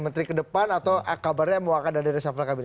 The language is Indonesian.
menteri ke depan atau kabarnya mau akan ada di resafah kami